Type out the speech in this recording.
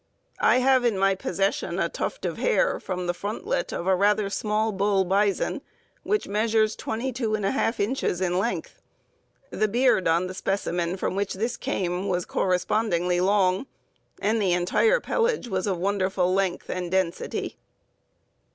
I have in my possession a tuft of hair, from the frontlet of a rather small bull bison, which measures 221/2 inches in length. The beard on the specimen from which this came was correspondingly long, and the entire pelage was of wonderful length and density.